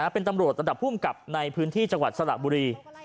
เป็นตำรวจระดับภูมิกับในพื้นที่จังหวัดสระบุรี